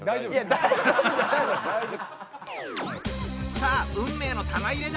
さあ運命の玉入れだ！